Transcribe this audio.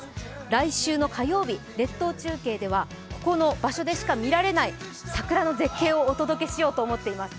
来週の火曜日、列島中継ではここの場所でしか見られない桜の絶景をお届けしようと思っています。